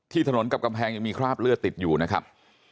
ถนนกับกำแพงยังมีคราบเลือดติดอยู่นะครับ